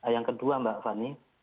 yang kedua mbak fani